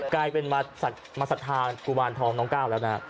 กลายเป็นมาศัทรธากุบันทองน้องก็ะแล้ว